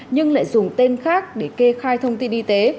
nhưng lại dùng tên khác để kê khai thông tin y tế